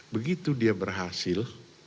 begitu dia berhasil